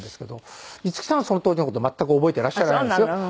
五木さんはその当時の事全く覚えていらっしゃらないんですよ。